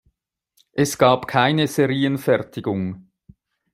Es gab keine Serienfertigung.